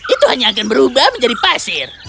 itu hanya akan berubah menjadi pasir